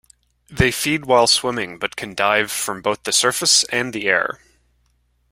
They feed while swimming but can dive from both the surface and the air.